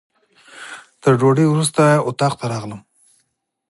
تر ډوډۍ وروسته اتاق ته راغلم.